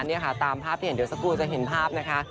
นี่ค่ะตามภาพที่เห็นเดี๋ยวสักครู่จะเห็นภาพนะคะ